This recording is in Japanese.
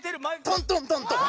トントントントン。